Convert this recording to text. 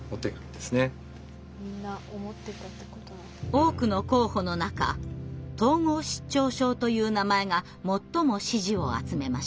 多くの候補の中統合失調症という名前が最も支持を集めました。